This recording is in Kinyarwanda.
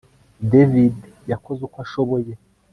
David yakoze uko ashoboye